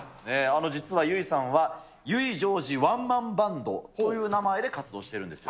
実は油井さんは、油井ジョージワンマンバンドという名前で活動してるんですよ。